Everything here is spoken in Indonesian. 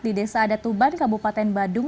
di desa adat tuban kabupaten badung